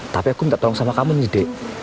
tapi aku minta tolong sama kamu nih dek